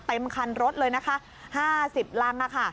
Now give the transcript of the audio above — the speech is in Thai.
เต็มคันรถเลยนะคะ๕๐รังค่ะ